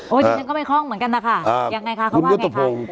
ดิฉันก็ไม่คล่องเหมือนกันนะคะยังไงคะเขาว่าไงคะ